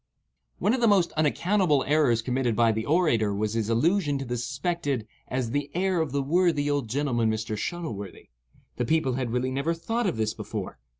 One of the most unaccountable errors committed by the orator was his allusion to the suspected as "the heir of the worthy old gentleman Mr. Shuttleworthy." The people had really never thought of this before.